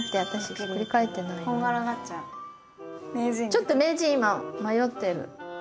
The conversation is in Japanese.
ちょっと名人今迷ってる。